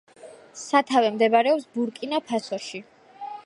სათავე მდებარეობს ბურკინა-ფასოში.